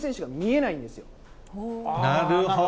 なるほど。